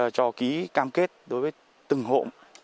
cho ký cam kết đối với từng hộ